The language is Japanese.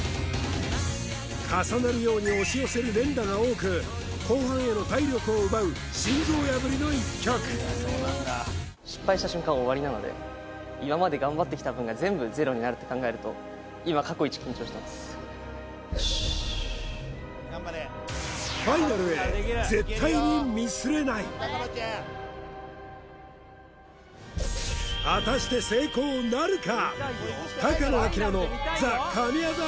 重なるように押し寄せる連打が多く後半への体力を奪う心臓破りの一曲なので今まで頑張ってきた分が全部０になるって考えると今よしファイナルへ果たして成功なるか？